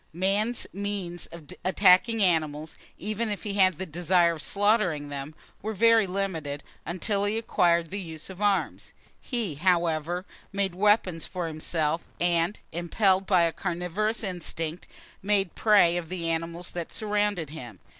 Man's means of attacking animals, even if he had the desire of slaughtering them, were very limited, until he acquired the use of arms. He, however, made weapons for himself, and, impelled by a carnivorous instinct, made prey of the animals that surrounded him.